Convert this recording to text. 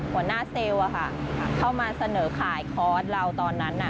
เซลล์เข้ามาเสนอขายคอร์สเราตอนนั้น